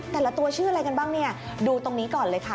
แต่ละตัวชื่ออะไรกันบ้างเนี่ยดูตรงนี้ก่อนเลยค่ะ